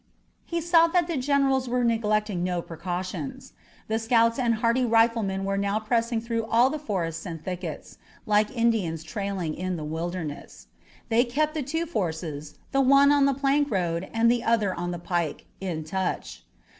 He saw that the generals were neglecting no precautions. The scouts and hardy riflemen were now pressing through all the forests and thickets, like Indians trailing in the Wilderness. They kept the two forces, the one on the plank road and the other on the pike, in touch.